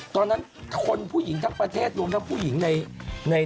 ตอนนั้นคนผู้หญิงทั้งประเทศรวมทั้งผู้หญิงใน